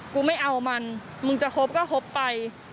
กูไม่เอามันมึงจะครบก็ครบไป